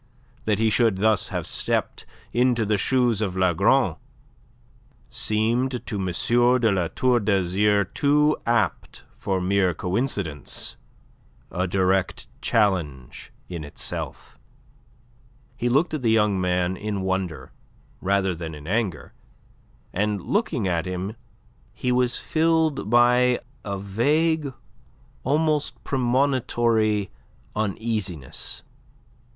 That he should thus have stepped into the shoes of Lagron seemed to M. de La Tour d'Azyr too apt for mere coincidence, a direct challenge in itself. He looked at the young man in wonder rather than in anger, and looking at him he was filled by a vague, almost a premonitory, uneasiness.